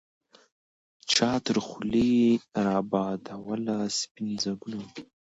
چا تر خولې را بادوله سپین ځګونه